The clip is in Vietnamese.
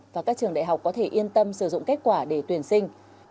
và các trường đại học có thể yên tâm sử dụng kết quả để tuyển sinh